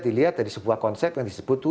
dilihat dari sebuah konsep yang disebut